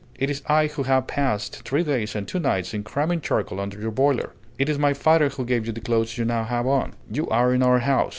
It is I who have passed three days and two nights in cramming charcoal under your boiler. It is my father who gave you the clothes you now have on. You are in our house.